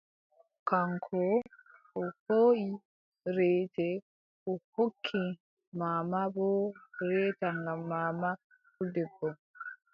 Kaŋko o hooʼi reete, o hokki maama boo reeta ngam maama puldebbo,